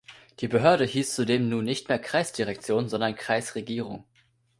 Die Behörde hieß zudem nun nicht mehr "Kreisdirektion", sondern "Kreisregierung".